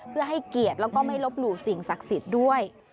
เพื่อให้เกียรติแล้วก็ไม่ลบหลู่สิ่งศักดิ์สิทธิ์ด้วย